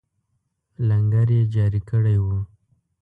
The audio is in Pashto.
لنګر یې جاري کړی وو.